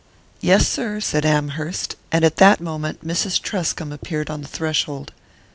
"Yes, sir," said Amherst; and at that moment Mrs. Truscomb appeared on the threshold.